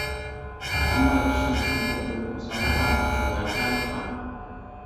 ئەمما كىشىنى چوڭقۇر ئويغا سالىدىغان ئاشۇ ۋەقەمۇ بار.